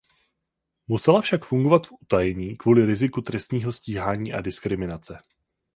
Musela však fungovat v utajení kvůli riziku trestního stíhání a diskriminace.